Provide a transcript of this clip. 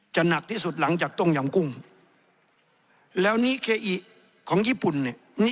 หนักที่สุดหลังจากต้มยำกุ้งแล้วนี้เคอิของญี่ปุ่นเนี่ย